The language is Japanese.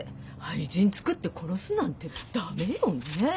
愛人つくって殺すなんて駄目よねえ。